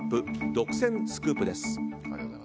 独占スクープです。